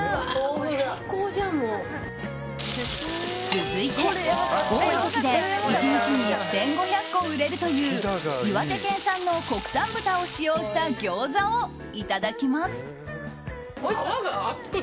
続いて、多い時で１日に１５００個売れるという岩手県産の国産豚を使用したギョーザをいただきます。